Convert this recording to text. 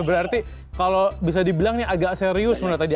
berarti kalau bisa dibilang ini agak serius menurut anda